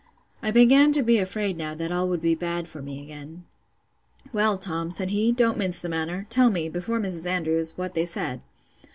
I began to be afraid now that all would be bad for me again. Well, Tom, said he, don't mince the matter; tell me, before Mrs. Andrews, what they said.